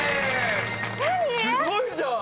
すごいじゃん！